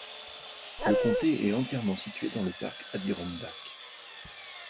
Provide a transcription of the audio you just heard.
Le comté est entièrement situé dans le Parc Adirondack.